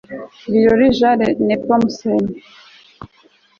biroli jean népomoscène